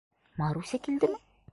— Маруся килдеме?